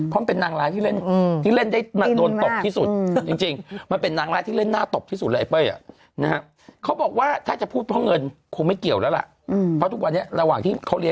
ก็ทำผลิตภัณฑ์หายได้เยอะมาก